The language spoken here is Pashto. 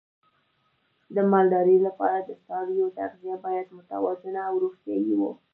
د مالدارۍ لپاره د څارویو تغذیه باید متوازنه او روغتیايي وي.